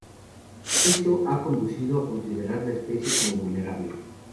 Esto ha conducido a considerar la especie como vulnerable.